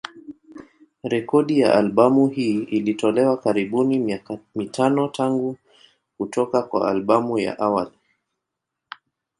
Rekodi ya albamu hii ilitolewa karibuni miaka mitano tangu kutoka kwa albamu ya awali.